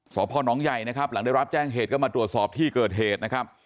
สพนใหญ่นะครับหลังได้รับแจ้งเหตุก็มาตรวจสอบที่เกิดเหตุนะครับ